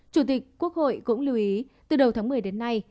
chủ tịch quốc hội cũng lưu ý từ đầu tháng một mươi đến nay